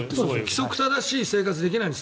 規則正しい生活できないんです